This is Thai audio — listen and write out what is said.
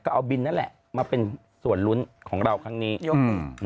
ก็เอาบินนั่นแหละมาเป็นส่วนลุ้นของเราครั้งนี้ยกอืม